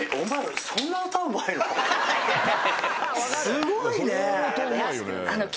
すごいね！